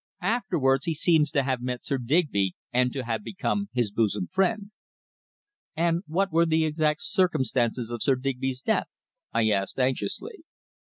Afterwards he seems to have met Sir Digby and to have become his bosom friend." "And what were the exact circumstances of Sir Digby's death?" I asked anxiously.